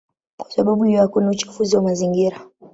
Kwa sababu hiyo hakuna uchafuzi wa mazingira.